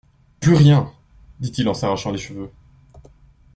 Plus rien ! dit-il en s'arrachant les cheveux.